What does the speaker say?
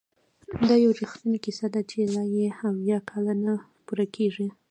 دا یو رښتینې کیسه ده چې لا یې اویا کاله نه پوره کیږي!